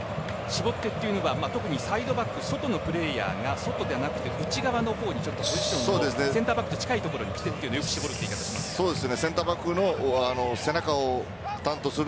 絞ってというのは特にサイドバックのプレーヤーが外ではなくて内側の方に行くというセンターバックと近いところに来てというのは絞るといいます。